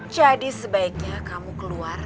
jadi sebaiknya kamu keluar